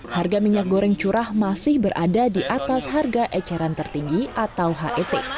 harga minyak goreng curah masih berada di atas harga eceran tertinggi atau het